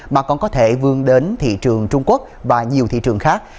mà còn có thể vươn đến thị trường trung quốc và nhiều thị trường khác